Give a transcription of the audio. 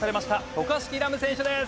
渡嘉敷来夢選手です。